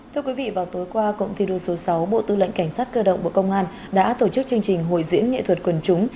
thưa quý vị vào tối qua cộng thi đua số sáu bộ tư lệnh cảnh sát cơ động bộ công an đã tổ chức chương trình hội diễn nghệ thuật quần chúng